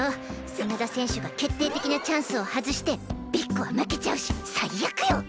真田選手が決定的なチャンスを外してビッグは負けちゃうし最悪よ。